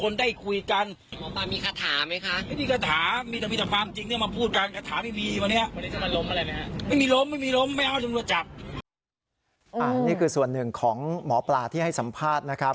นี่คือส่วนหนึ่งของหมอปลาที่ให้สัมภาษณ์นะครับ